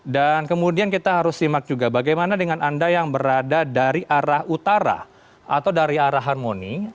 dan kemudian kita harus simak juga bagaimana dengan anda yang berada dari arah utara atau dari arah harmoni